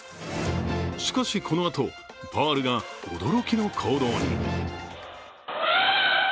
しかし、このあと、パールが驚きの行動に。